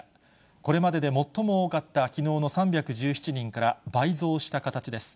これまでで最も多かったきのうの３１７人から倍増した形です。